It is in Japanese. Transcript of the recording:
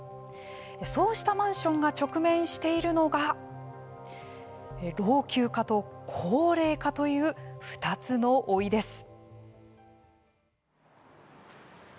そうしたマンションが直面しているのが老朽化と高齢化という２つの老いです。